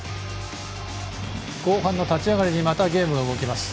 後半の立ち上がりにまたゲームが動きます。